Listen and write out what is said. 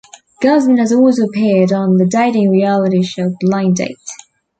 Guzman has also appeared on the dating reality show "Blind Date".